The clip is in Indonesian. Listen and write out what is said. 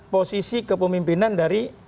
posisi kepemimpinan dari